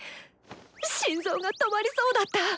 心臓が止まりそうだった。